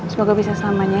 semoga bisa selamanya